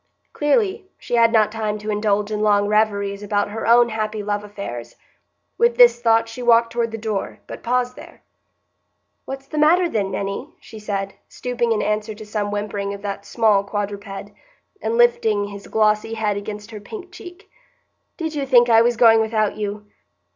Clearly, she had not time to indulge in long reveries about her own happy love affairs. With this thought she walked toward the door, but paused there. "What's the matter, then, Minny?" she said, stooping in answer to some whimpering of that small quadruped, and lifting his glossy head against her pink cheek. "Did you think I was going without you?